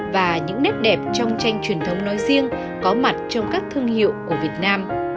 và những nét đẹp trong tranh truyền thống nói riêng có mặt trong các thương hiệu của việt nam